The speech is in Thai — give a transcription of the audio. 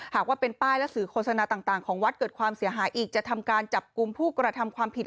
หากว่าเป็นป้ายและสื่อโฆษณาต่างของวัดเกิดความเสียหายอีกจะทำการจับกลุ่มผู้กระทำความผิด